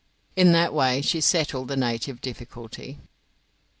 In that way she settled the native difficulty.